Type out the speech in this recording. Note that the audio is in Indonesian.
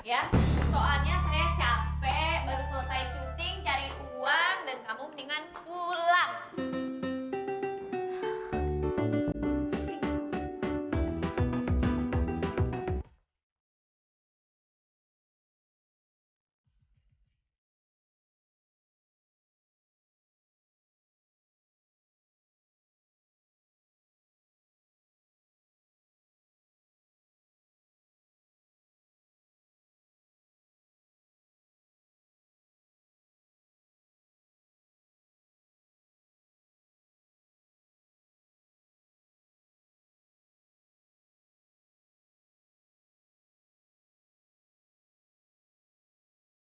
ya soalnya saya capek baru selesai syuting cari uang dan kamu mendingan pulang